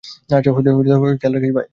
আচ্ছা, খেয়াল রাখিস, বাই।